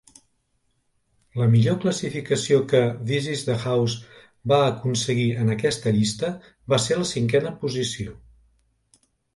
La millor classificació que "This is the House" va aconseguir en aquesta llista va ser la cinquena posició.